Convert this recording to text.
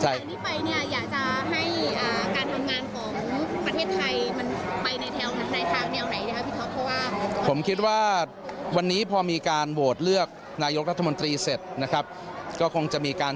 หลังจากที่ไปเนี่ยอยากจะให้การทำงานของประเทศไทย